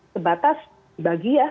sebatas dibagi ya